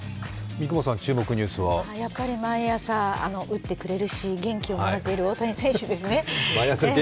毎朝打ってくれるし元気をもらっている大谷選手が注目ですね。